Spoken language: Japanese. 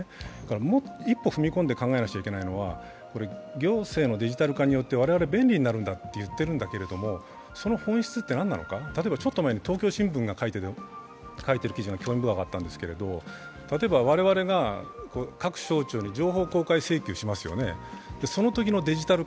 もう一歩踏み込んで考えなきゃいけないのは、行政のデジタル化によって我々便利になると言ってるんだけどその本質はなんなのか、ちょっと前に東京新聞が書いている記事が興味深かったんですけど例えば我々が各省庁に情報公開請求しますよね。